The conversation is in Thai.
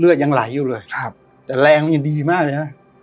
เลือดยังไหลอยู่เลยครับแต่แรงมันยังดีมากใช่ไหม